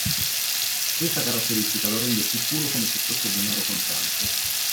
Questa caratteristica lo rende sicuro come se fosse denaro contante.